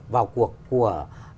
vào cuộc của